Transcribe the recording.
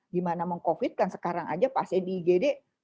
gimana meng covid kan sekarang aja pas di igd